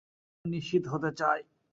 আমি নিশ্চিত হতে চাই।